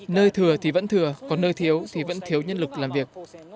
nơi thừa thì vẫn thừa còn nơi thiếu thì vẫn thiếu nhân lực làm việc